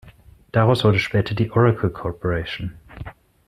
Daraus wurde später die Oracle Corporation.